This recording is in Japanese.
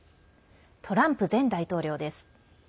トランプ前大統領です。